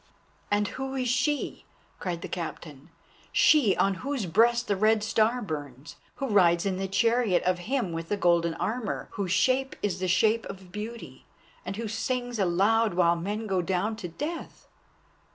"And who is she," cried the Captain, "she on whose breast a Red Star burns, who rides in the chariot of him with the golden armour, whose shape is the shape of Beauty, and who sings aloud while men go down to death?"